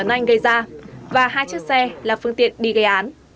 nganh gây ra và hai chiếc xe là phương tiện đi gây án